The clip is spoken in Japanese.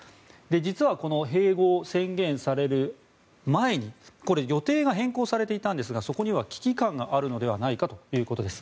実は、この併合宣言される前に予定が変更されていたんですがそこには危機感があるのではないかということです。